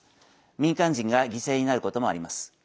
民間人が犠牲になることもあります。